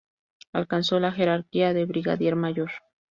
Alcanzó la jerarquía de brigadier mayor.